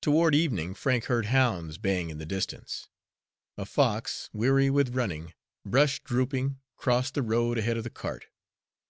Toward evening Frank heard hounds baying in the distance. A fox, weary with running, brush drooping, crossed the road ahead of the cart.